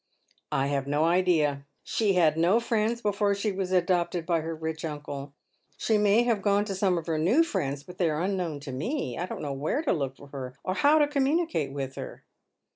• "I have no idea. She had no friends before she was adopted by her rich uncle. She may have gone to some of her new fi'iends, but they are unknown to me. I don't know where to lo(tk for her or how to communicate with her."